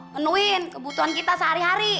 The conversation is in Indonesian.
penuhin kebutuhan kita sehari hari